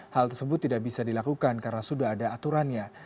hal tersebut tidak bisa dilakukan karena sudah ada aturannya